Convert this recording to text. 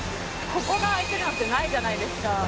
ここがあいてるのってないじゃないですか。